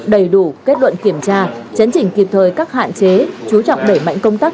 đầy đủ kết luận kiểm tra chấn chỉnh kịp thời các hạn chế chú trọng đẩy mạnh công tác